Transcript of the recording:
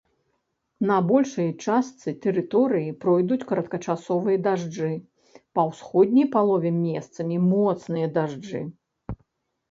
На большай частцы тэрыторыі пройдуць кароткачасовыя дажджы, па ўсходняй палове месцамі моцныя дажджы.